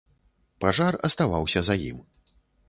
Пажар аставаўся за ім.